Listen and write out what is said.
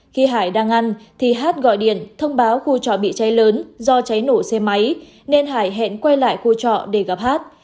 khi hải đang ăn thì hát gọi điện thông báo khu trọ bị cháy lớn do cháy nổ xe máy nên hải hẹn quay lại khu trọ để gặp hát